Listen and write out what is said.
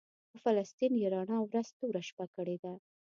په فلسطین یې رڼا ورځ توره شپه کړې ده.